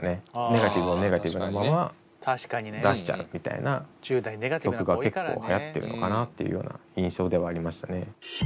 ネガティブをネガティブのまま出しちゃうみたいな曲が結構はやってるのかなっていうような印象ではありましたね。